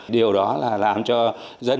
điều đó là làm cho dân